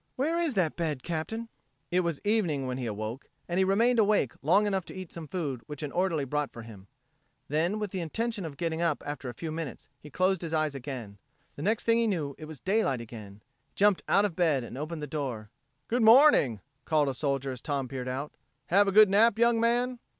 Where is that bed, Captain?" It was evening when he awoke, and he remained awake long enough to eat some food which an orderly brought for him. Then, with the intention of getting up after a few minutes, he closed his eyes again. The next thing he knew it was daylight again. He jumped out of bed and opened the door. "Good morning," called a soldier as Tom peered out. "Have a good nap, young man?"